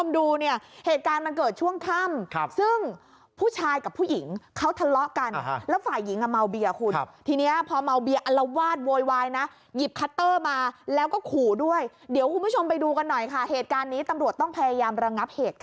ดูเนี่ยเหตุการณ์มันเกิดช่วงค่ำซึ่งผู้ชายกับผู้หญิงเขาทะเลาะกันแล้วฝ่ายหญิงอ่ะเมาเบียคุณทีนี้พอเมาเบียอัลวาดโวยวายนะหยิบคัตเตอร์มาแล้วก็ขู่ด้วยเดี๋ยวคุณผู้ชมไปดูกันหน่อยค่ะเหตุการณ์นี้ตำรวจต้องพยายามระงับเหตุค่ะ